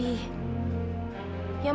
yang menghawatkan kamu